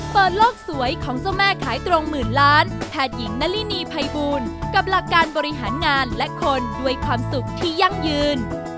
เปิดโลกสวยของเจ้าแม่ขายตรงหมื่นล้านแพทย์หญิงนารินีภัยบูลกับหลักการบริหารงานและคนด้วยความสุขที่ยั่งยืน